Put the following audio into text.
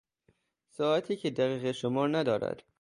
ساعتی که دقیقه شمار ندارد